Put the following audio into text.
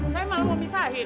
saya malah mau pisahin